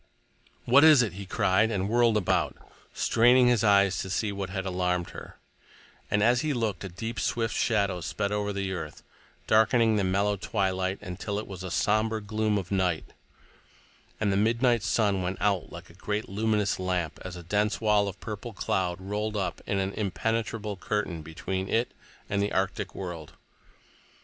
"What is it?" he cried, and whirled about, straining his eyes to see what had alarmed her; and as he looked, a deep, swift shadow sped over the earth, darkening the mellow twilight until it was somber gloom of night—and the midnight sun went out like a great, luminous lamp as a dense wall of purple cloud rolled up in an impenetrable curtain between it and the arctic world.